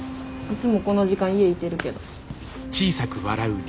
いつもこの時間家いてるけど。